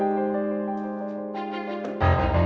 mungkin gue bisa dapat petunjuk lagi disini